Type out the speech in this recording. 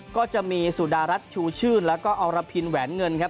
ก็จะมีสุดารัฐชูชื่นแล้วก็อรพินแหวนเงินครับ